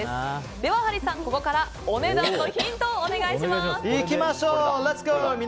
ではハリーさん、ここからお値段のヒントをお願いします。